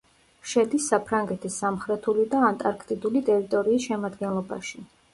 შედის საფრანგეთის სამხრეთული და ანტარქტიდული ტერიტორიის შემადგენლობაში.